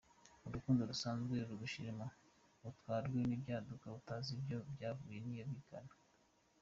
Urukundo rusanzwe rugushiremo, utwarwe n’ibyaduka utazi iyo byavuye n’iyo bigana.